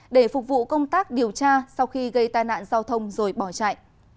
để phục vụ công tác điều tra sau khi gây tai nạn giao thông rồi bỏ chạy